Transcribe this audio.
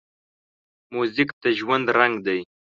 موزیک د ژوند رنګ دی.